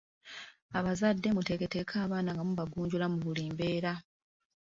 Abazadde muteeketeeke abaana nga mubagunjula mu buli mbeera.